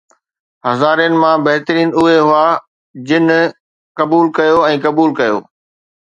ھزارين مان بھترين اھي ھئا جن قبول ڪيو ۽ قبول ڪيو